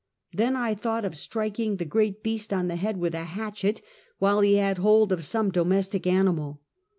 Then I thought of striking the great beast on the head with a hatchet, while he had hold of some domestic animal.